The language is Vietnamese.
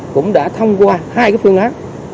cũng đã thông qua hai phương án